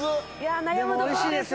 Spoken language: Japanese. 悩むところですが。